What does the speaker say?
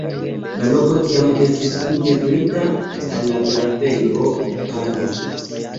La loko tiam estis integrita al la Grafejo Baden.